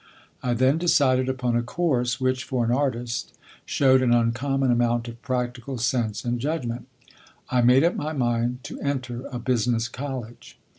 I then decided upon a course which, for an artist, showed an uncommon amount of practical sense and judgment. I made up my mind to enter a business college.